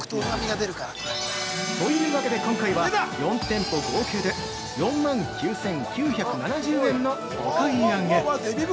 ◆というわけで今回は４店舗合計で４万９９７０円のお買い上げ！